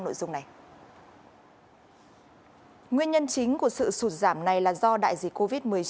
nguyên nhân chính của sự sụt giảm này là do đại dịch covid một mươi chín